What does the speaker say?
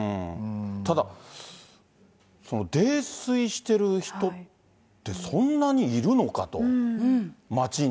ただ、泥酔してる人って、そんなにいるのかと、街に。